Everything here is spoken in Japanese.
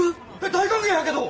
大歓迎やけど！